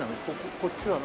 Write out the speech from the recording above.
こっちは何？